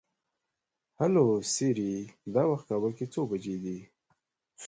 هلو سیري! دا وخت کابل کې څو بجې دي؟